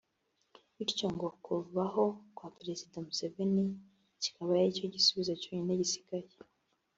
bityo ngo kuvaho kwa Perezida Museveni cyikaba aricyo gisubizo cyonyine gisigaye